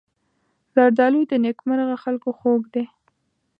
زردالو د نېکمرغه خلکو خوږ دی.